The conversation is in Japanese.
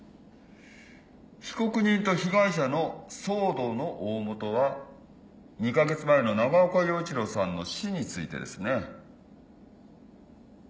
被告人と被害者の騒動の大本は２カ月前の長岡洋一郎さんの死についてですね。